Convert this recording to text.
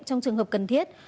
trong trường hợp cần thiết